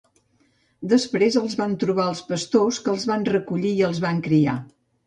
Després els van trobar els pastors que els van recollir i els van criar.